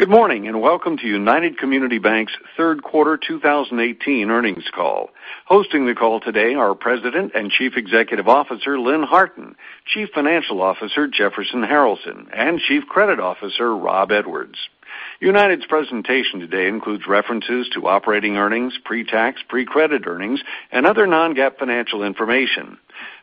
Good morning, and welcome to United Community Banks' third quarter 2018 earnings call. Hosting the call today are President and Chief Executive Officer, Lynn Harton, Chief Financial Officer, Jefferson Harralson, and Chief Credit Officer, Rob Edwards. United's presentation today includes references to operating earnings, pre-tax, pre-credit earnings, and other non-GAAP financial information.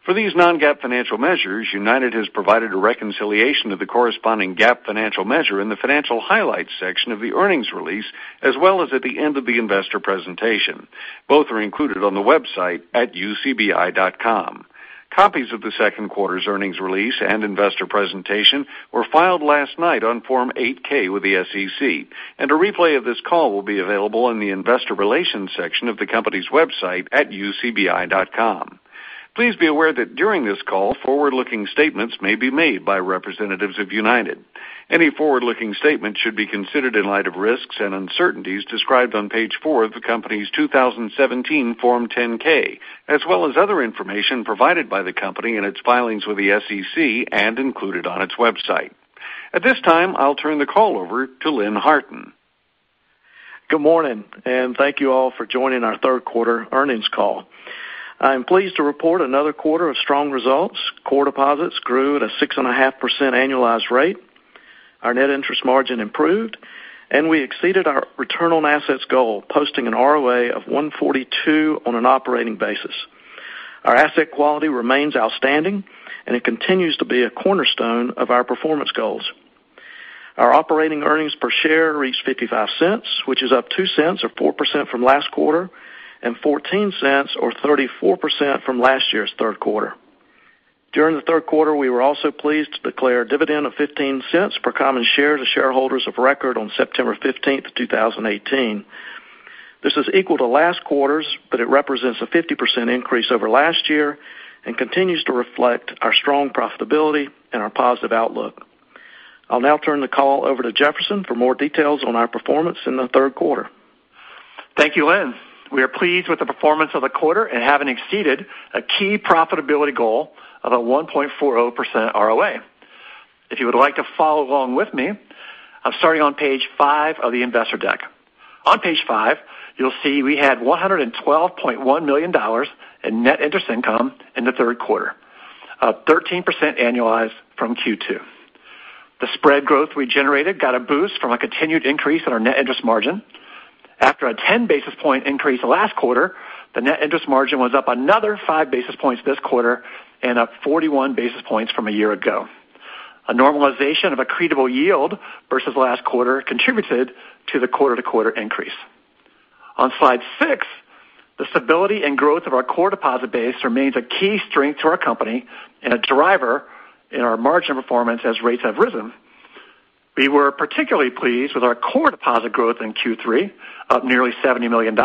For these non-GAAP financial measures, United has provided a reconciliation of the corresponding GAAP financial measure in the financial highlights section of the earnings release, as well as at the end of the investor presentation. Both are included on the website at ucbi.com. Copies of the second quarter's earnings release and investor presentation were filed last night on Form 8-K with the SEC. A replay of this call will be available in the investor relations section of the company's website at ucbi.com. Please be aware that during this call, forward-looking statements may be made by representatives of United. Any forward-looking statements should be considered in light of risks and uncertainties described on page four of the company's 2017 Form 10-K, as well as other information provided by the company in its filings with the SEC and included on its website. At this time, I'll turn the call over to Lynn Harton. Good morning, and thank you all for joining our third quarter earnings call. I'm pleased to report another quarter of strong results. Core deposits grew at a 6.5% annualized rate. Our net interest margin improved. We exceeded our return on assets goal, posting an ROA of 142 on an operating basis. Our asset quality remains outstanding, and it continues to be a cornerstone of our performance goals. Our operating earnings per share reached $0.55, which is up $0.02, or 4%, from last quarter and $0.14, or 34%, from last year's third quarter. During the third quarter, we were also pleased to declare a dividend of $0.15 per common share to shareholders of record on September 15th, 2018. This is equal to last quarter's. It represents a 50% increase over last year and continues to reflect our strong profitability and our positive outlook. I'll now turn the call over to Jefferson for more details on our performance in the third quarter. Thank you, Lynn. We are pleased with the performance of the quarter and having exceeded a key profitability goal of a 1.40% ROA. If you would like to follow along with me, I'm starting on page five of the investor deck. On page five, you'll see we had $112.1 million in net interest income in the third quarter, up 13% annualized from Q2. The spread growth we generated got a boost from a continued increase in our net interest margin. After a 10 basis point increase last quarter, the net interest margin was up another 5 basis points this quarter and up 41 basis points from a year ago. A normalization of accretable yield versus last quarter contributed to the quarter-to-quarter increase. On slide six, the stability and growth of our core deposit base remains a key strength to our company and a driver in our margin performance as rates have risen. We were particularly pleased with our core deposit growth in Q3, up nearly $70 million.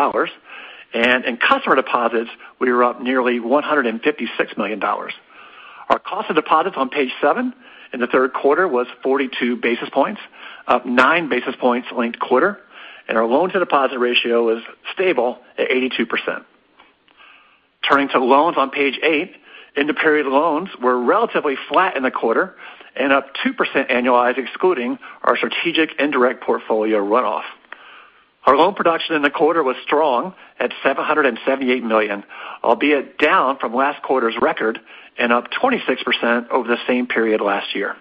And in customer deposits, we were up nearly $156 million. Our cost of deposits on page seven in the third quarter was 42 basis points, up 9 basis points linked quarter, and our loan-to-deposit ratio is stable at 82%. Turning to loans on page eight, end of period loans were relatively flat in the quarter and up 2% annualized, excluding our strategic indirect portfolio runoff. Our loan production in the quarter was strong at $778 million, albeit down from last quarter's record and up 26% over the same period last year.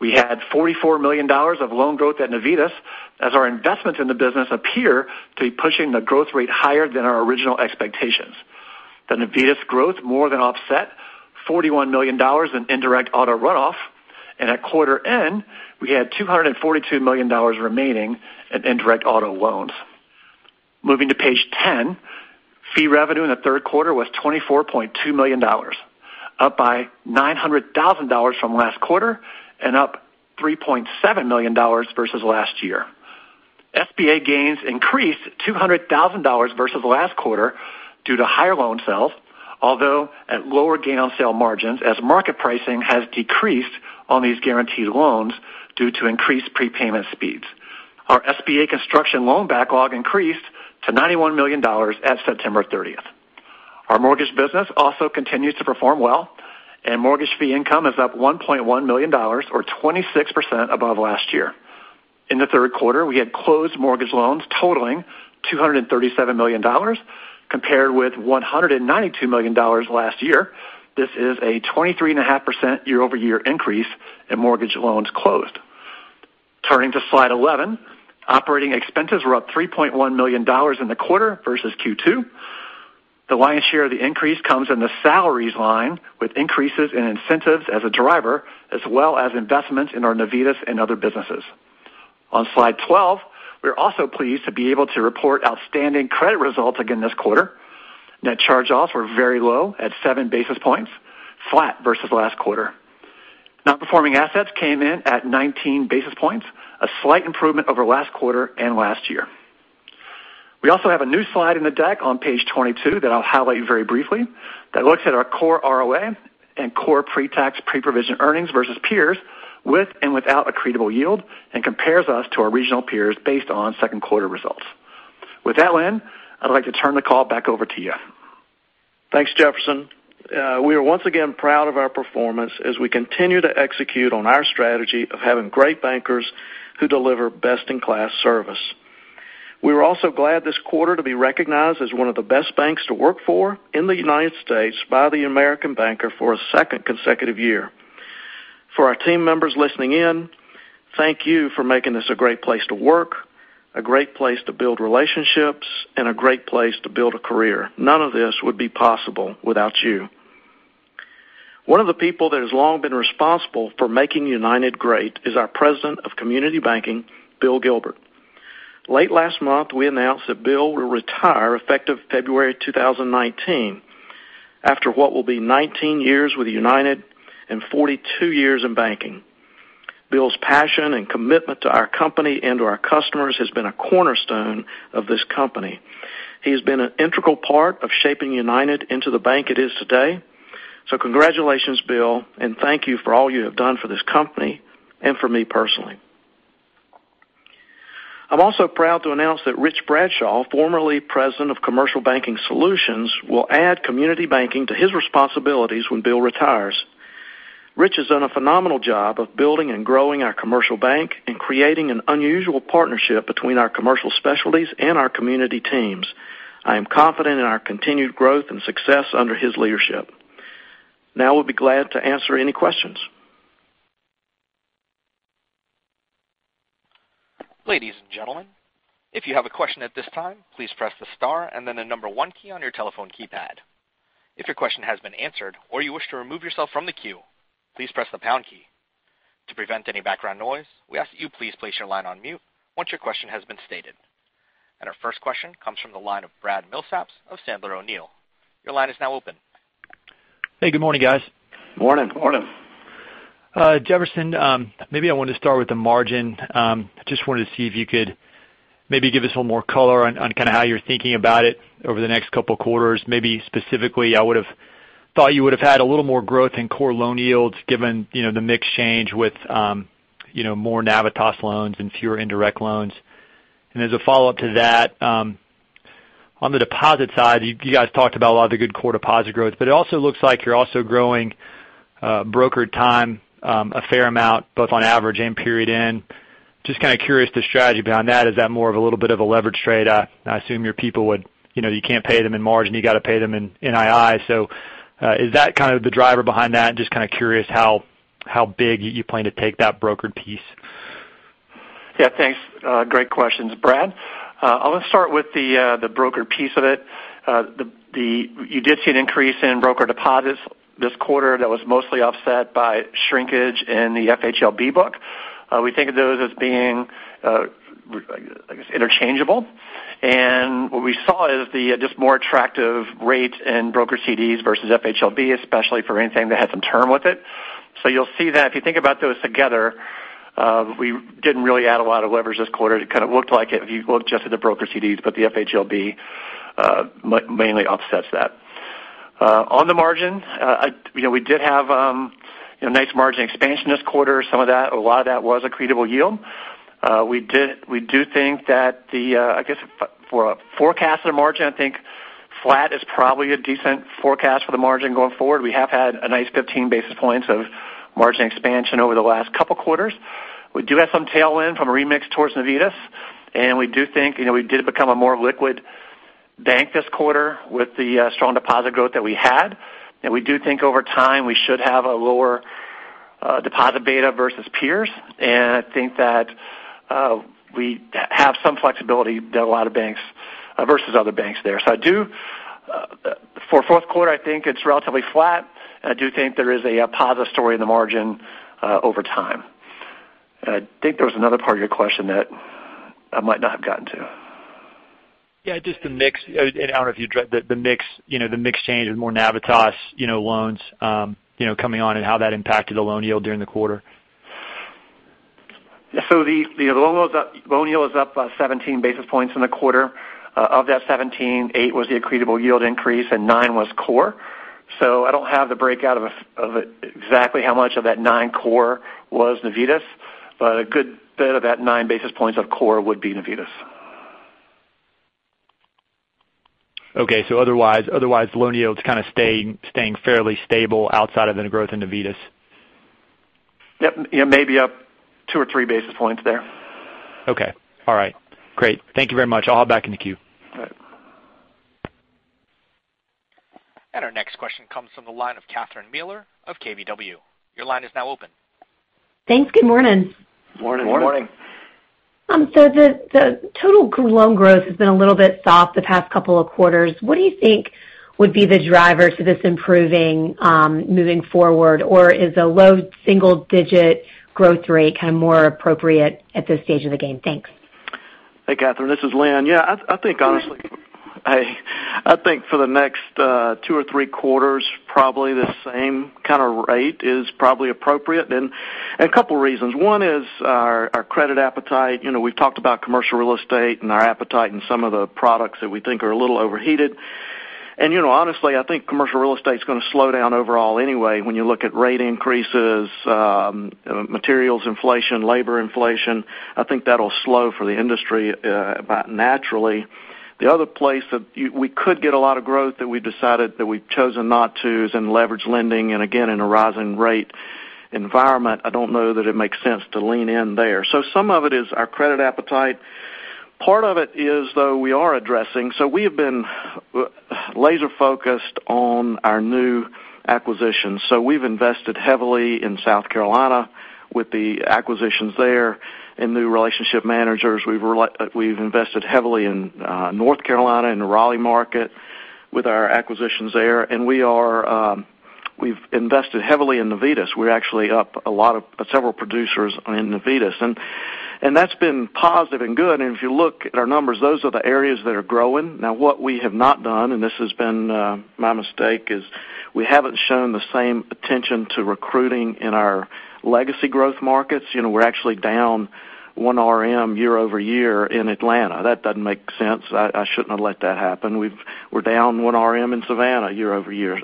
We had $44 million of loan growth at Navitas, as our investments in the business appear to be pushing the growth rate higher than our original expectations. The Navitas growth more than offset $41 million in indirect auto runoff, and at quarter end, we had $242 million remaining in indirect auto loans. Moving to page 10, fee revenue in the third quarter was $24.2 million, up by $900,000 from last quarter and up $3.7 million versus last year. SBA gains increased $200,000 versus last quarter due to higher loan sales, although at lower gain on sale margins, as market pricing has decreased on these guaranteed loans due to increased prepayment speeds. Our SBA construction loan backlog increased to $91 million at September 30th. Our mortgage business also continues to perform well, and mortgage fee income is up $1.1 million, or 26% above last year. In the third quarter, we had closed mortgage loans totaling $237 million, compared with $192 million last year. This is a 23.5% year-over-year increase in mortgage loans closed. Turning to slide 11, operating expenses were up $3.1 million in the quarter versus Q2. The lion's share of the increase comes in the salaries line, with increases in incentives as a driver, as well as investments in our Navitas and other businesses. On slide 12, we're also pleased to be able to report outstanding credit results again this quarter. Net charge-offs were very low at 7 basis points, flat versus last quarter. Non-performing assets came in at 19 basis points, a slight improvement over last quarter and last year. We also have a new slide in the deck on page 22 that I'll highlight very briefly that looks at our core ROA and core pre-tax, pre-provision earnings versus peers with and without accretable yield and compares us to our regional peers based on second quarter results. With that, Lynn, I'd like to turn the call back over to you. Thanks, Jefferson. We are once again proud of our performance as we continue to execute on our strategy of having great bankers who deliver best-in-class service. We were also glad this quarter to be recognized as one of the best banks to work for in the United States by the American Banker for a second consecutive year. For our team members listening in, thank you for making this a great place to work, a great place to build relationships, and a great place to build a career. None of this would be possible without you. One of the people that has long been responsible for making United great is our President of Community Banking, Bill Gilbert. Late last month, we announced that Bill will retire effective February 2019, after what will be 19 years with United and 42 years in banking. Bill's passion and commitment to our company and to our customers has been a cornerstone of this company. He has been an integral part of shaping United into the bank it is today. Congratulations, Bill, and thank you for all you have done for this company and for me personally. I'm also proud to announce that Rich Bradshaw, formerly President of Commercial Banking Solutions, will add community banking to his responsibilities when Bill retires. Rich has done a phenomenal job of building and growing our commercial bank and creating an unusual partnership between our commercial specialties and our community teams. I am confident in our continued growth and success under his leadership. Now we'll be glad to answer any questions. Ladies and gentlemen, if you have a question at this time, please press the star and then the number one key on your telephone keypad. If your question has been answered or you wish to remove yourself from the queue, please press the pound key. To prevent any background noise, we ask that you please place your line on mute once your question has been stated. Our first question comes from the line of Brad Milsaps of Sandler O'Neill. Your line is now open. Hey, good morning, guys. Morning. Morning. Jefferson, maybe I want to start with the margin. Just wanted to see if you could maybe give us a little more color on kind of how you're thinking about it over the next couple of quarters. Maybe specifically, I would have thought you would have had a little more growth in core loan yields given the mix change with more Navitas loans and fewer indirect loans. As a follow-up to that, on the deposit side, you guys talked about a lot of the good core deposit growth, it also looks like you're also growing brokered time a fair amount, both on average and period end. Just kind of curious the strategy behind that. Is that more of a little bit of a leverage trade? I assume your people, you can't pay them in margin, you got to pay them in II. Is that kind of the driver behind that? Just kind of curious how big you plan to take that brokered piece. Yeah, thanks. Great questions, Brad. I'm going to start with the brokered piece of it. You did see an increase in broker deposits this quarter that was mostly offset by shrinkage in the FHLB book. We think of those as being interchangeable. What we saw is the just more attractive rates in broker CDs versus FHLB, especially for anything that had some term with it. You'll see that if you think about those together, we didn't really add a lot of leverage this quarter. It kind of looked like it if you looked just at the broker CDs, but the FHLB mainly offsets that. On the margin, we did have nice margin expansion this quarter. Some of that, a lot of that was accretable yield. We do think that the, I guess, for a forecasted margin, I think flat is probably a decent forecast for the margin going forward. We have had a nice 15 basis points of margin expansion over the last couple quarters. We do have some tailwind from a remix towards Navitas. We do think we did become a more liquid bank this quarter with the strong deposit growth that we had. We do think over time, we should have a lower deposit beta versus peers. I think that we have some flexibility versus other banks there. For fourth quarter, I think it's relatively flat. I do think there is a positive story in the margin over time. I think there was another part of your question that I might not have gotten to. Yeah, just the mix. I don't know if you addressed the mix change with more Navitas loans coming on and how that impacted the loan yield during the quarter. The loan yield is up 17 basis points in the quarter. Of that 17, eight was the accretable yield increase, and nine was core. I don't have the breakout of exactly how much of that nine core was Navitas, but a good bit of that nine basis points of core would be Navitas. Okay. Otherwise, loan yield's kind of staying fairly stable outside of the growth in Navitas. Yep. Maybe up two or three basis points there. Okay. All right. Great. Thank you very much. I will hop back in the queue. All right. Our next question comes from the line of Catherine Mealor of KBW. Your line is now open. Thanks. Good morning. Morning. Morning. The total loan growth has been a little bit soft the past couple of quarters. What do you think would be the driver to this improving moving forward? Or is a low single-digit growth rate kind of more appropriate at this stage of the game? Thanks. Hey, Catherine. This is Lynn. Yeah, I think honestly, I think for the next two or three quarters, probably the same kind of rate is probably appropriate. A couple reasons. One is our credit appetite. We've talked about commercial real estate and our appetite and some of the products that we think are a little overheated. Honestly, I think commercial real estate is going to slow down overall anyway when you look at rate increases, materials inflation, labor inflation. I think that'll slow for the industry naturally. The other place that we could get a lot of growth that we've decided that we've chosen not to is in leverage lending. Again, in a rising rate environment, I don't know that it makes sense to lean in there. Some of it is our credit appetite. Part of it is, though, we are addressing. We have been laser-focused on our new acquisitions. We've invested heavily in South Carolina with the acquisitions there in new relationship managers. We've invested heavily in North Carolina, in the Raleigh market with our acquisitions there. We've invested heavily in Navitas. We're actually up several producers in Navitas. That's been positive and good. If you look at our numbers, those are the areas that are growing. Now, what we have not done, and this has been my mistake, is we haven't shown the same attention to recruiting in our legacy growth markets. We're actually down one RM year-over-year in Atlanta. That doesn't make sense. I shouldn't have let that happen. We're down one RM in Savannah year-over-year.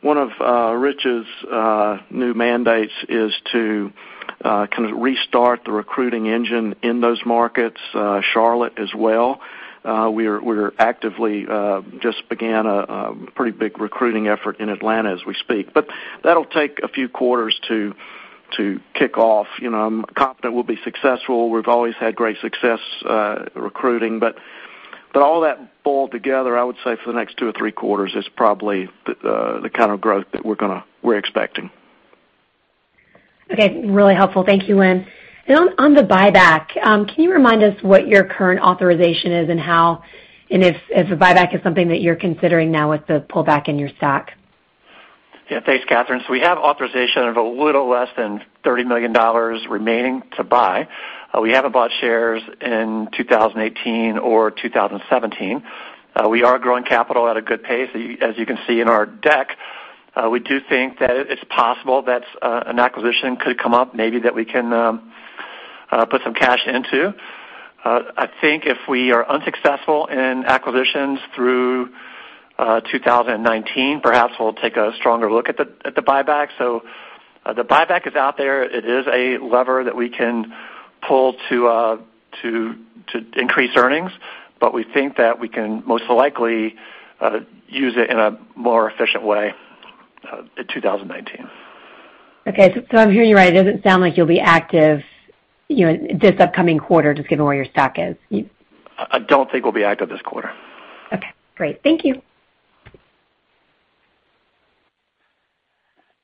One of Rich's new mandates is to kind of restart the recruiting engine in those markets. Charlotte as well. We actively just began a pretty big recruiting effort in Atlanta as we speak. That'll take a few quarters to kick off. I'm confident we'll be successful. We've always had great success recruiting. All that boiled together, I would say for the next two or three quarters is probably the kind of growth that we're expecting. Really helpful. Thank you, Lynn. On the buyback, can you remind us what your current authorization is and if the buyback is something that you're considering now with the pullback in your stock? Thanks, Catherine. We have authorization of a little less than $30 million remaining to buy. We haven't bought shares in 2018 or 2017. We are growing capital at a good pace, as you can see in our deck. We do think that it's possible that an acquisition could come up maybe that we can put some cash into. I think if we are unsuccessful in acquisitions through 2019, perhaps we'll take a stronger look at the buyback. The buyback is out there. It is a lever that we can pull to increase earnings, we think that we can most likely use it in a more efficient way in 2019. I'm hearing you right. It doesn't sound like you'll be active this upcoming quarter, just given where your stock is. I don't think we'll be active this quarter. Okay, great. Thank you.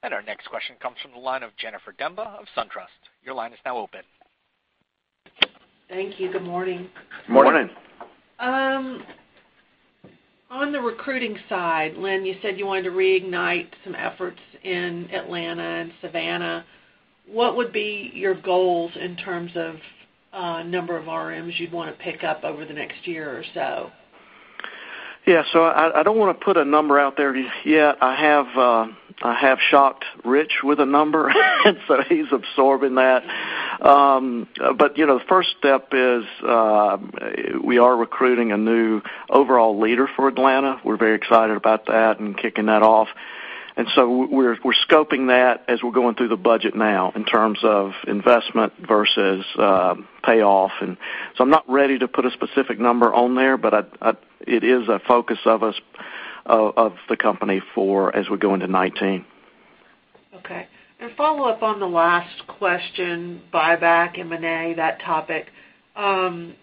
Our next question comes from the line of Jennifer Demba of SunTrust. Your line is now open. Thank you. Good morning. Good morning. Morning. On the recruiting side, Lynn, you said you wanted to reignite some efforts in Atlanta and Savannah. What would be your goals in terms of number of RMs you'd want to pick up over the next year or so? Yeah. I don't want to put a number out there just yet. I have shocked Rich with a number, and so he's absorbing that. The first step is we are recruiting a new overall leader for Atlanta. We're very excited about that and kicking that off. We're scoping that as we're going through the budget now in terms of investment versus payoff. I'm not ready to put a specific number on there, but it is a focus of the company as we go into 2019. Okay. Follow up on the last question, buyback, M&A, that topic. I mean,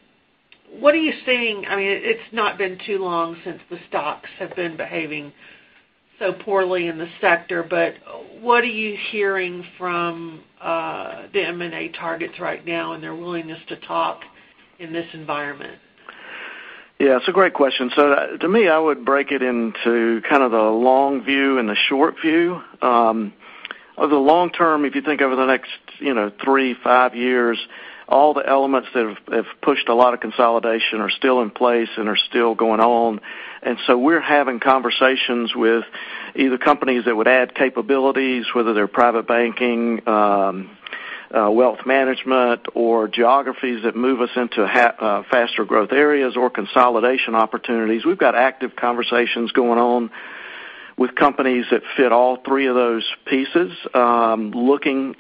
it's not been too long since the stocks have been behaving so poorly in the sector, but what are you hearing from the M&A targets right now and their willingness to talk in this environment? Yeah. It's a great question. To me, I would break it into kind of the long view and the short view. Over the long term, if you think over the next three, five years, all the elements that have pushed a lot of consolidation are still in place and are still going on. We're having conversations with either companies that would add capabilities, whether they're private banking, wealth management, or geographies that move us into faster growth areas or consolidation opportunities. We've got active conversations going on with companies that fit all three of those pieces, building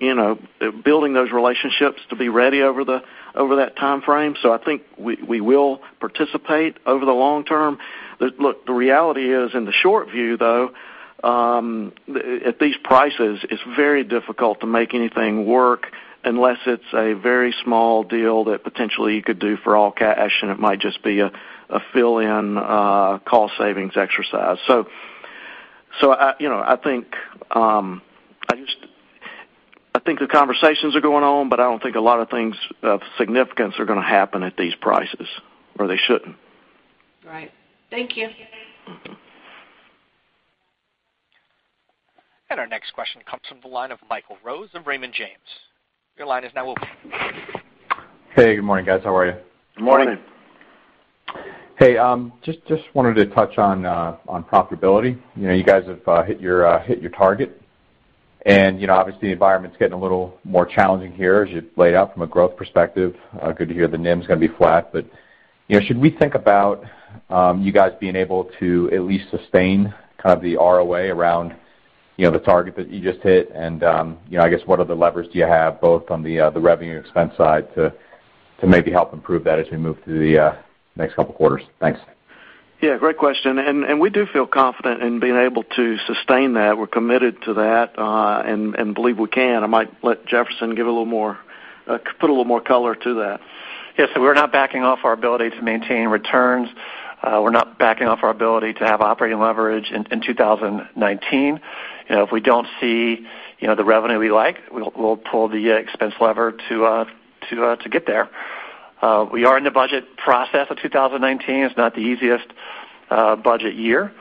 those relationships to be ready over that timeframe. I think we will participate over the long term. Look, the reality is, in the short view, though, at these prices, it's very difficult to make anything work unless it's a very small deal that potentially you could do for all cash, and it might just be a fill-in cost savings exercise. I think the conversations are going on, but I don't think a lot of things of significance are going to happen at these prices, or they shouldn't. Right. Thank you. Our next question comes from the line of Michael Rose of Raymond James. Your line is now open. Hey. Good morning, guys. How are you? Good morning. Morning. Hey, just wanted to touch on profitability. You guys have hit your target. Obviously, the environment's getting a little more challenging here as you've laid out from a growth perspective. Good to hear the NIM's going to be flat. Should we think about you guys being able to at least sustain kind of the ROA around the target that you just hit? I guess what other levers do you have both on the revenue expense side to maybe help improve that as we move through the next couple of quarters? Thanks. Yeah, great question. We do feel confident in being able to sustain that. We're committed to that, and believe we can. I might let Jefferson put a little more color to that. Yes. We're not backing off our ability to maintain returns. We're not backing off our ability to have operating leverage in 2019. If we don't see the revenue we like, we'll pull the expense lever to get there. We are in the budget process of 2019. It's not the easiest budget year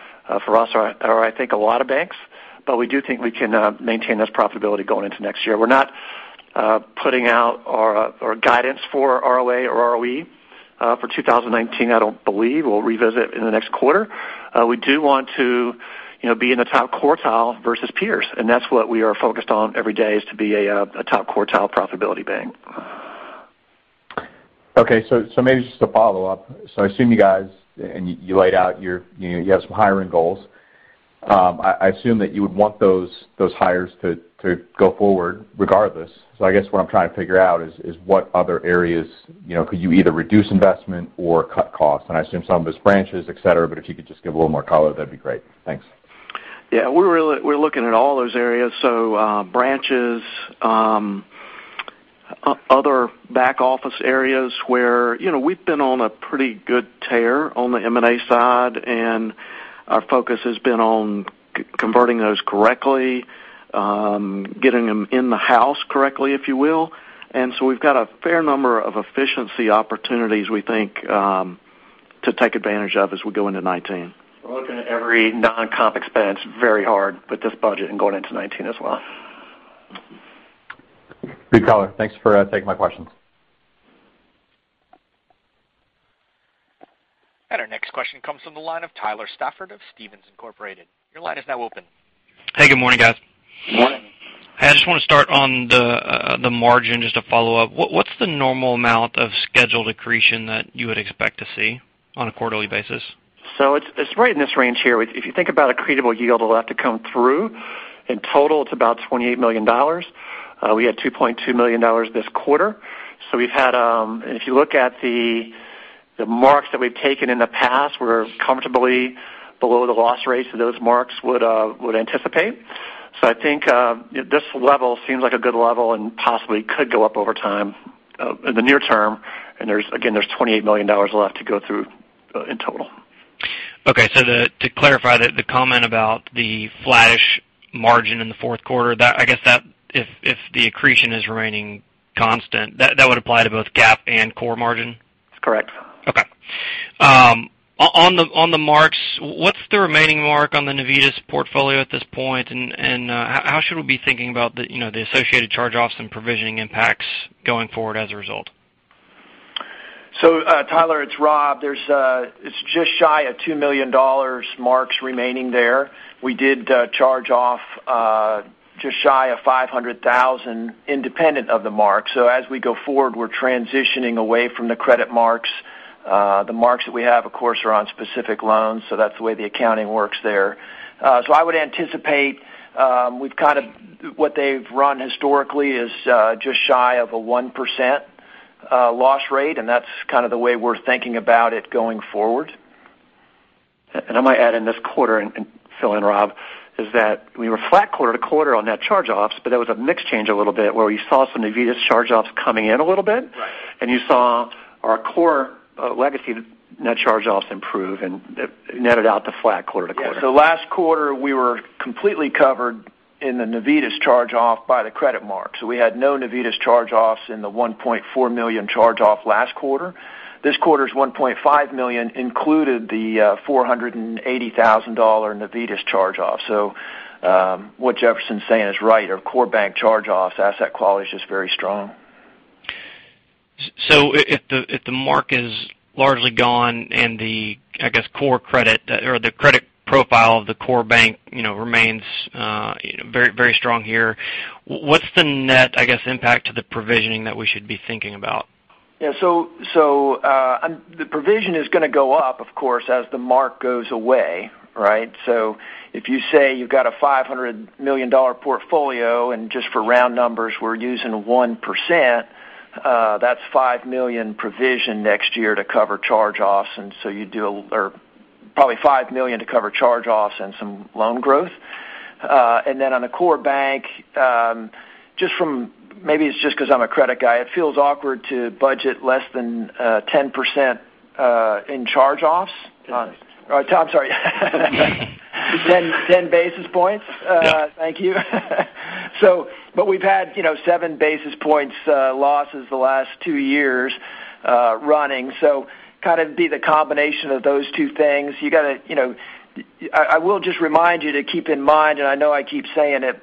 for us or I think a lot of banks, but we do think we can maintain this profitability going into next year. We're not putting out our guidance for ROA or ROE for 2019, I don't believe. We'll revisit in the next quarter. We do want to be in the top quartile versus peers, and that's what we are focused on every day, is to be a top quartile profitability bank. Okay. Maybe just a follow-up. I assume you guys, and you laid out you have some hiring goals. I assume that you would want those hires to go forward regardless. I guess what I'm trying to figure out is what other areas could you either reduce investment or cut costs? I assume some of it's branches, et cetera, but if you could just give a little more color, that'd be great. Thanks. Yeah. We're looking at all those areas. Branches, other back office areas where we've been on a pretty good tear on the M&A side, and our focus has been on converting those correctly, getting them in the house correctly, if you will. We've got a fair number of efficiency opportunities we think, to take advantage of as we go into 2019. We're looking at every non-comp expense very hard with this budget and going into 2019 as well. Good color. Thanks for taking my questions. Our next question comes from the line of Tyler Stafford of Stephens Inc. Your line is now open. Hey, good morning, guys. Morning. I just want to start on the margin, just to follow up. What's the normal amount of scheduled accretion that you would expect to see on a quarterly basis? It's right in this range here. If you think about accretable yield, it'll have to come through. In total, it's about $28 million. We had $2.2 million this quarter. If you look at the marks that we've taken in the past, we're comfortably below the loss rates that those marks would anticipate. I think this level seems like a good level and possibly could go up over time in the near term. Again, there's $28 million left to go through in total. Okay. To clarify the comment about the flattish margin in the fourth quarter, I guess if the accretion is remaining constant, that would apply to both GAAP and core margin? That's correct. Okay. On the marks, what's the remaining mark on the Navitas portfolio at this point, and how should we be thinking about the associated charge-offs and provisioning impacts going forward as a result? Tyler, it's Rob. It's just shy of $2 million marks remaining there. We did charge off just shy of $500,000 independent of the mark. As we go forward, we're transitioning away from the credit marks. The marks that we have, of course, are on specific loans, so that's the way the accounting works there. I would anticipate what they've run historically is just shy of a 1% loss rate, and that's kind of the way we're thinking about it going forward. I might add in this quarter, and fill in Rob, is that we were flat quarter-to-quarter on net charge-offs, but there was a mix change a little bit where we saw some Navitas charge-offs coming in a little bit. Right. You saw our core legacy net charge-offs improve and it netted out to flat quarter-to-quarter. Last quarter, we were completely covered in the Navitas charge-off by the credit mark. We had no Navitas charge-offs in the $1.4 million charge-off last quarter. This quarter's $1.5 million included the $480,000 Navitas charge-off. What Jefferson's saying is right. Our core bank charge-offs asset quality is just very strong. If the mark is largely gone and the credit profile of the core bank remains very strong here, what's the net impact to the provisioning that we should be thinking about? Yeah. The provision is going to go up, of course, as the mark goes away, right? If you say you've got a $500 million portfolio, and just for round numbers, we're using 1%, that's $5 million provision next year to cover charge-offs. Probably $5 million to cover charge-offs and some loan growth. On the core bank, maybe it's just because I'm a credit guy, it feels awkward to budget less than 10% in charge-offs. 10%. Oh, Tom, sorry. 10 basis points. Yeah. Thank you. We've had 7 basis points losses the last two years running. Kind of be the combination of those two things. I will just remind you to keep in mind, and I know I keep saying it,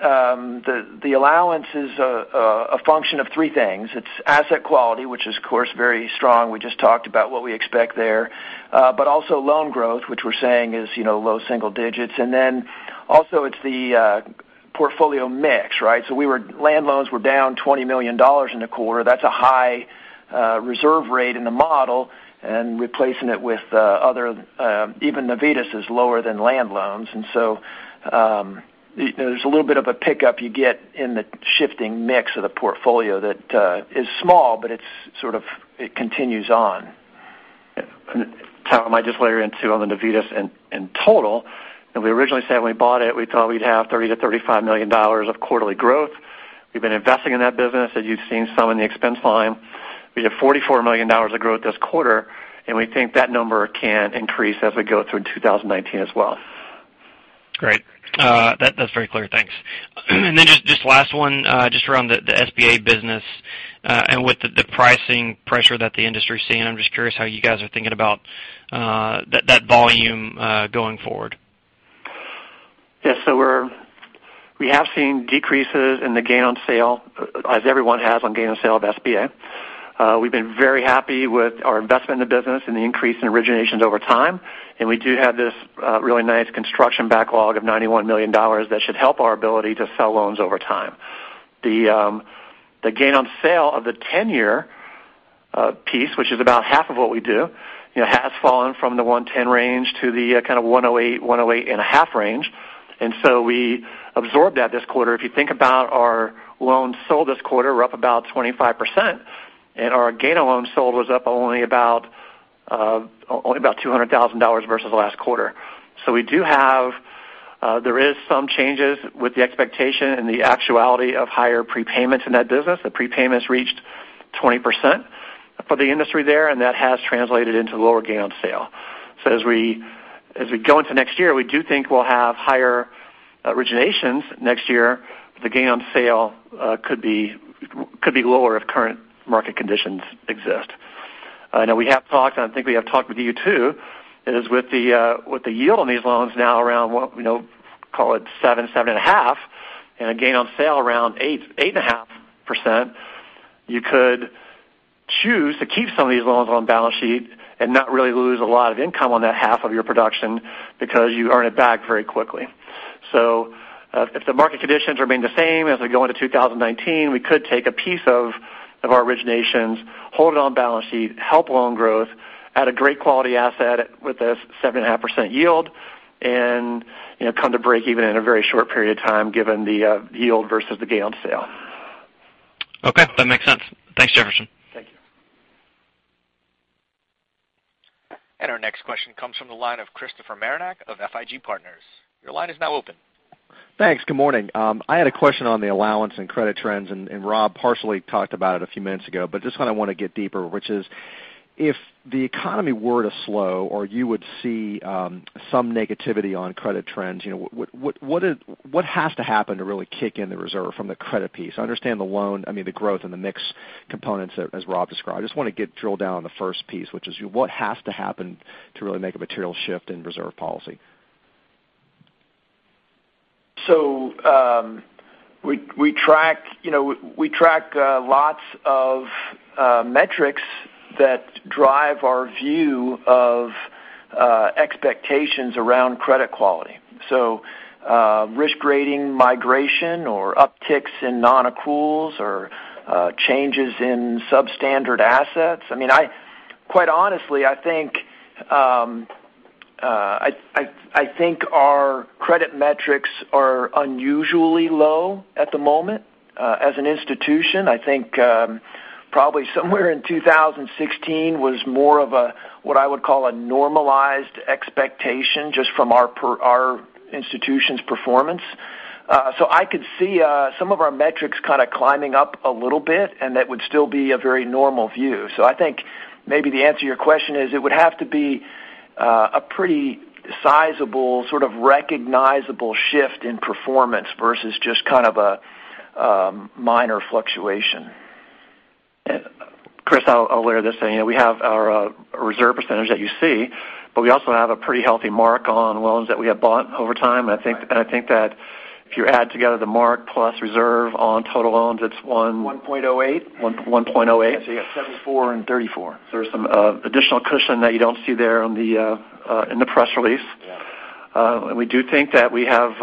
the allowance is a function of three things. It's asset quality, which is of course very strong. We just talked about what we expect there. Also loan growth, which we're saying is low single digits. Also it's the portfolio mix, right? Land loans were down $20 million in the quarter. That's a high reserve rate in the model, and replacing it with even Navitas is lower than land loans. There's a little bit of a pickup you get in the shifting mix of the portfolio that is small, but it continues on. Tyler, I just layer into on the Navitas in total. We originally said when we bought it, we thought we'd have $30 million-$35 million of quarterly growth. We've been investing in that business, as you've seen some in the expense line. We have $44 million of growth this quarter. We think that number can increase as we go through 2019 as well. Great. That's very clear. Thanks. Then just last one, just around the SBA business, with the pricing pressure that the industry is seeing, I'm just curious how you guys are thinking about that volume, going forward. Yes. We have seen decreases in the gain on sale as everyone has on gain on sale of SBA. We've been very happy with our investment in the business and the increase in originations over time. We do have this really nice construction backlog of $91 million that should help our ability to sell loans over time. The gain on sale of the 10-year piece, which is about half of what we do, has fallen from the 110 range to the 108-108.5 range. We absorbed that this quarter. If you think about our loans sold this quarter, we're up about 25%, and our gain on loans sold was up only about $200,000 versus last quarter. There is some changes with the expectation and the actuality of higher prepayments in that business. The prepayments reached 20% for the industry there. That has translated into lower gain on sale. As we go into next year, we do think we'll have higher originations next year. The gain on sale could be lower if current market conditions exist. I know we have talked, I think we have talked with you, too. It is with the yield on these loans now around, call it 7.5%, and a gain on sale around 8.5%. You could choose to keep some of these loans on balance sheet and not really lose a lot of income on that half of your production because you earn it back very quickly. If the market conditions remain the same as we go into 2019, we could take a piece of our originations, hold it on balance sheet, help loan growth at a great quality asset with this 7.5% yield and come to break even in a very short period of time, given the yield versus the gain on sale. Okay, that makes sense. Thanks, Jefferson. Thank you. Our next question comes from the line of Christopher Marinac of FIG Partners. Your line is now open. Thanks. Good morning. I had a question on the allowance and credit trends, and Rob partially talked about it a few minutes ago. Just kind of want to get deeper, which is, if the economy were to slow or you would see some negativity on credit trends, what has to happen to really kick in the reserve from the credit piece? I understand the loan, I mean, the growth and the mix components as Rob described. I just want to get drill down on the first piece, which is what has to happen to really make a material shift in reserve policy. We track lots of metrics that drive our view of expectations around credit quality. Risk grading migration or upticks in non-accruals or changes in substandard assets. Quite honestly, I think our credit metrics are unusually low at the moment. As an institution, I think probably somewhere in 2016 was more of what I would call a normalized expectation just from our institution's performance. I could see some of our metrics kind of climbing up a little bit, and that would still be a very normal view. I think maybe the answer to your question is it would have to be a pretty sizable, sort of recognizable shift in performance versus just kind of a minor fluctuation. Chris, I'll layer this in. We have our reserve percentage that you see, but we also have a pretty healthy mark on loans that we have bought over time. I think that if you add together the mark plus reserve on total loans, it's one- 1.08. 1.08. You got 74 and 34. There's some additional cushion that you don't see there in the press release. Yeah. We do think that we have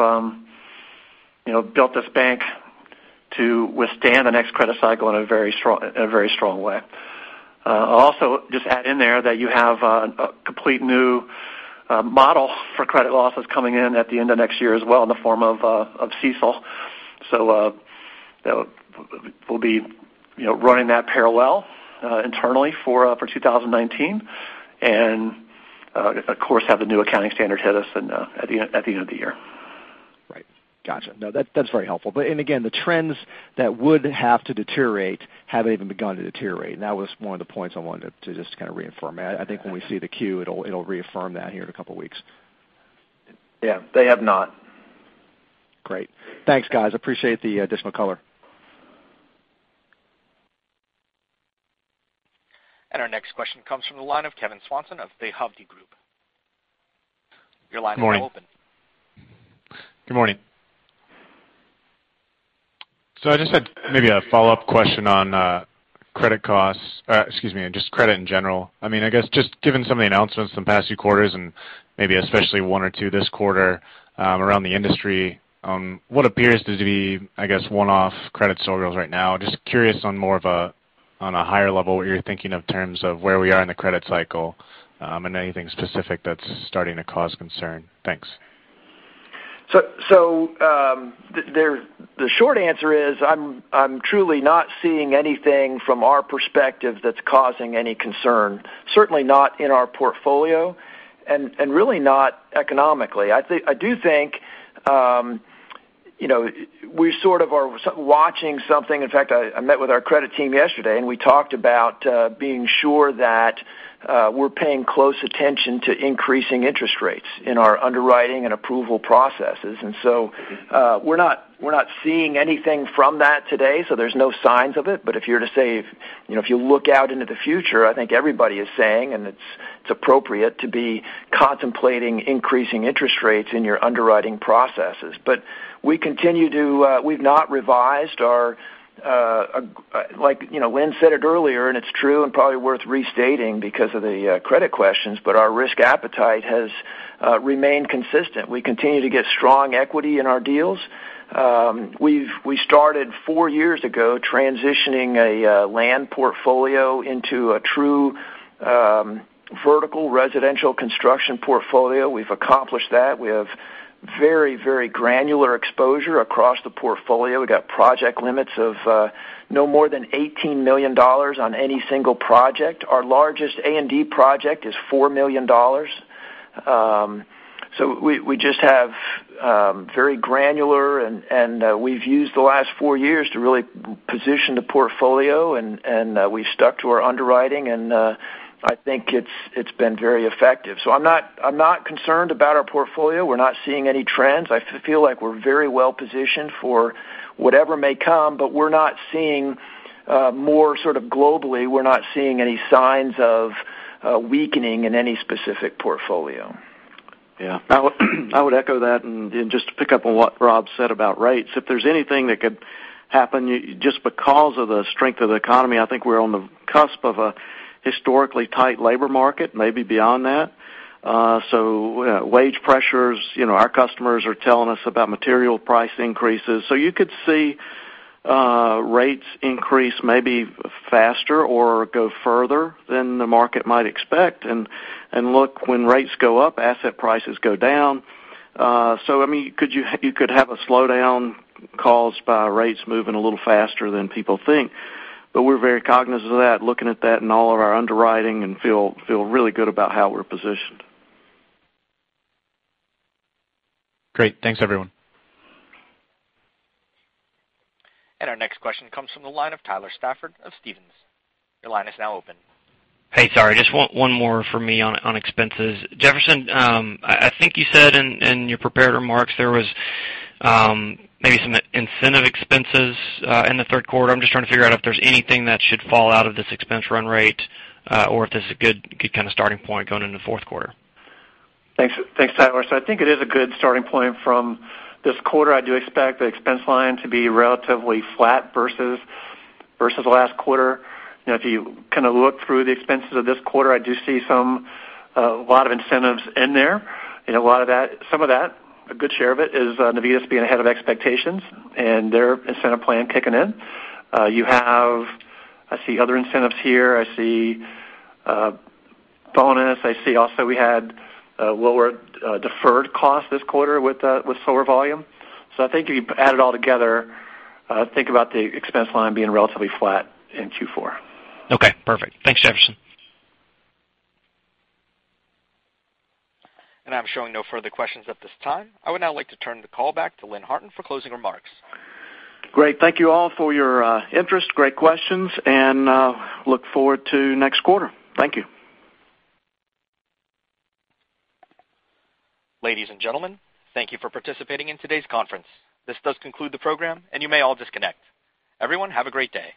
built this bank to withstand the next credit cycle in a very strong way. I'll also just add in there that you have a complete new model for credit losses coming in at the end of next year as well in the form of CECL. We'll be running that parallel internally for 2019. Of course, have the new accounting standard hit us at the end of the year. Right. Got you. No, that's very helpful. Again, the trends that would have to deteriorate haven't even begun to deteriorate. That was one of the points I wanted to just kind of reaffirm. I think when we see the Q, it'll reaffirm that here in a couple of weeks. Yeah. They have not. Great. Thanks, guys. Appreciate the additional color. Our next question comes from the line of Kevin Swanson of The Hovde Group. Your line is now open. Good morning. I just had maybe a follow-up question on just credit in general. I guess just given some of the announcements the past few quarters, and maybe especially one or two this quarter around the industry, what appears to be, I guess, one-off credit sales right now. Just curious on a higher level, what you're thinking of in terms of where we are in the credit cycle, and anything specific that's starting to cause concern? Thanks. The short answer is, I'm truly not seeing anything from our perspective that's causing any concern. Certainly not in our portfolio, and really not economically. I do think we sort of are watching something. In fact, I met with our credit team yesterday, and we talked about being sure that we're paying close attention to increasing interest rates in our underwriting and approval processes. We're not seeing anything from that today, so there's no signs of it. If you look out into the future, I think everybody is saying, and it's appropriate to be contemplating increasing interest rates in your underwriting processes. Lynn said it earlier, and it's true and probably worth restating because of the credit questions, but our risk appetite has remained consistent. We continue to get strong equity in our deals. We started four years ago transitioning a land portfolio into a true vertical residential construction portfolio. We've accomplished that. We have very granular exposure across the portfolio. We got project limits of no more than $18 million on any single project. Our largest A&D project is $4 million. We just have very granular, and we've used the last four years to really position the portfolio, and we've stuck to our underwriting, and I think it's been very effective. I'm not concerned about our portfolio. We're not seeing any trends. I feel like we're very well positioned for whatever may come, we're not seeing, more sort of globally, we're not seeing any signs of weakening in any specific portfolio. Yeah. I would echo that, and just to pick up on what Rob said about rates. If there's anything that could happen, just because of the strength of the economy, I think we're on the cusp of a historically tight labor market, maybe beyond that. Wage pressures. Our customers are telling us about material price increases. You could see rates increase maybe faster or go further than the market might expect. Look, when rates go up, asset prices go down. You could have a slowdown caused by rates moving a little faster than people think. We're very cognizant of that, looking at that in all of our underwriting, and feel really good about how we're positioned. Great. Thanks, everyone. Our next question comes from the line of Tyler Stafford of Stephens. Your line is now open. Hey, sorry. Just one more from me on expenses. Jefferson, I think you said in your prepared remarks there was maybe some incentive expenses in the third quarter. I am just trying to figure out if there is anything that should fall out of this expense run rate, or if this is a good kind of starting point going into the fourth quarter. Thanks, Tyler. I think it is a good starting point from this quarter. I do expect the expense line to be relatively flat versus last quarter. If you kind of look through the expenses of this quarter, I do see a lot of incentives in there. Some of that, a good share of it, is Navitas being ahead of expectations and their incentive plan kicking in. I see other incentives here. I see a bonus. I see also we had a lower deferred cost this quarter with slower volume. I think if you add it all together, think about the expense line being relatively flat in Q4. Okay, perfect. Thanks, Jefferson. I am showing no further questions at this time. I would now like to turn the call back to Lynn Harton for closing remarks. Great. Thank you all for your interest. Great questions. Look forward to next quarter. Thank you. Ladies and gentlemen, thank you for participating in today's conference. This does conclude the program, and you may all disconnect. Everyone, have a great day.